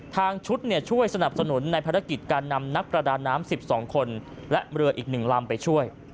ทางชุดช่วยสนับสนุนในภารกิจการนำนักประดาน้ำ๑๒คนและเรืออีก๑ลำไปช่วย